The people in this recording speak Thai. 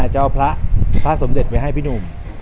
จะเอาพระพระสมเด็จไว้ให้พี่หนุ่ม